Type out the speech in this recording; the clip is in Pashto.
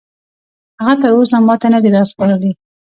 هغه تراوسه ماته نه دي راسپارلي.